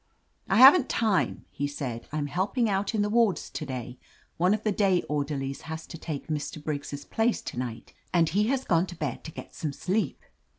"I haven't time," he said. "I'm helping out in the wards to day. One of the day orderlies has to take Mr. Briggs' place to night, and he has gone to bed to get some sleep."